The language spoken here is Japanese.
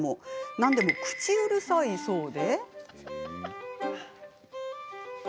なんでも、口うるさいそうで。